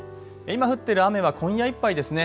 今降っている雨は今夜いっぱいですね。